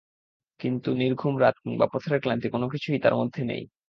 কিন্তু নির্ঘুম রাত কিংবা পথের ক্লান্তি কোনো কিছুই তাঁর মধ্যে নেই।